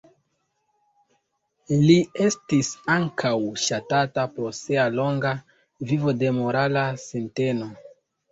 Li estis ankaŭ ŝatata pro sia longa vivo de morala sinteno.